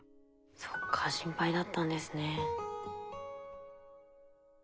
そっか心配だったんですね。